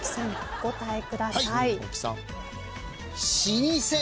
お答えください。